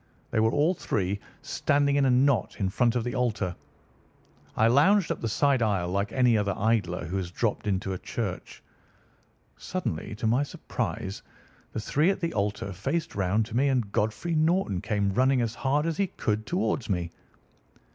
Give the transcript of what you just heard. They were all three standing in a knot in front of the altar. I lounged up the side aisle like any other idler who has dropped into a church. Suddenly, to my surprise, the three at the altar faced round to me, and Godfrey Norton came running as hard as he could towards me.